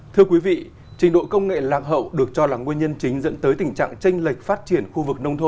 thưa quý vị trình độ công nghệ lạc hậu được cho là nguyên nhân chính dẫn tới tình trạng tranh lệch phát triển khu vực nông thôn